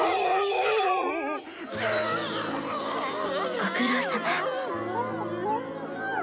ご苦労さま。